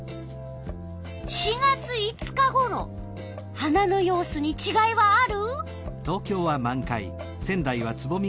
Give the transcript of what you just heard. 花の様子にちがいはある？